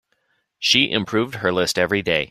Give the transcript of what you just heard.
She improved her list every day.